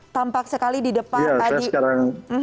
tampak sekali di depan